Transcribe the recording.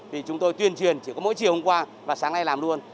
thì chúng tôi tuyên truyền chỉ có mỗi chiều hôm qua và sáng nay làm luôn